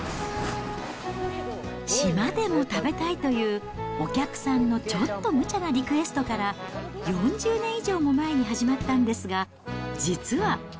島でも食べたいという、お客さんのちょっとむちゃなリクエストから、４０年以上も前に始まったんですが、実は。